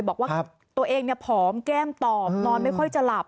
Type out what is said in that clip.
บอกว่าตัวเองผอมแก้มตอบนอนไม่ค่อยจะหลับ